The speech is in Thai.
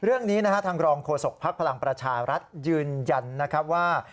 เรื่องนี้นะฮะทางรองโฆษกภักดิ์พลังประชารัฐยืนยันนะครับว่า